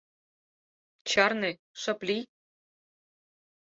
Чарне, шып лий.